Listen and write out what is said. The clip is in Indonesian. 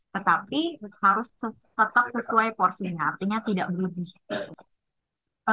tetapi harus tetap sesuai porsinya artinya tidak berlebih